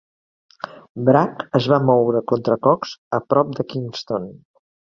Bragg es va moure contra Cox a prop de Kinston.